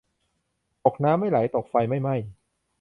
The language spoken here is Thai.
ตกน้ำไม่ไหล ตกไฟไม่ไหม้